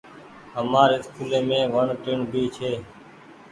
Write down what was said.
همآر اسڪولي مين وڻ ٽيئڻ ڀي ڇي۔